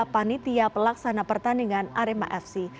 ketum pssi ketum pssi dan ketum pssi